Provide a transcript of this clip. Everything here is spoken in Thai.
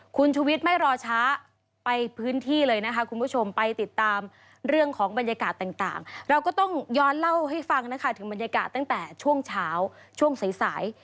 คุณชุวิตไม่รอช้าไปพื้นที่เลยนะคะคุณผู้ชมไปติดตามเรื่องของบรรยากาศต่างเราก็ต้องย้อนเล่าให้ฟังนะคะถึงบรรยากาศตั้งแต่ช่วงเช้าช่วงสาย